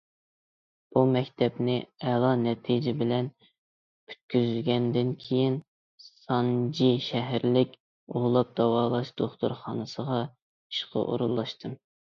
بۇ مەكتەپنى ئەلا نەتىجە بىلەن پۈتكۈزگەندىن كېيىن، سانجى شەھەرلىك ئۇۋۇلاپ داۋالاش دوختۇرخانىسىغا ئىشقا ئورۇنلاشتىم.